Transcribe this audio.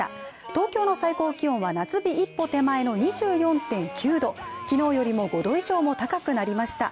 東京の最高気温は夏日一歩手前の２４．９度、昨日よりも５度以上も高くなりました。